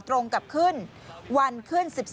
ตรงกับขึ้นวันขึ้น๑๒